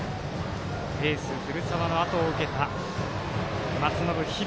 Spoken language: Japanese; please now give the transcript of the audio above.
エース古澤のあとを受けた松延響。